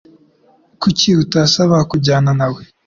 Kuki utasaba kujyana nawe?